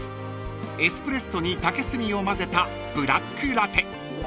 エスプレッソに竹炭を混ぜたブラックラテ］